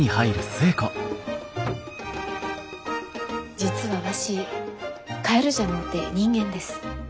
「実はわしカエルじゃのうて人間です」。